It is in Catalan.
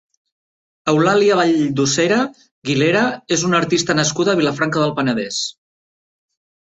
Eulàlia Valldosera Guilera és una artista nascuda a Vilafranca del Penedès.